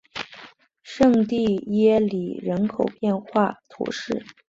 圣蒂耶里人口变化图示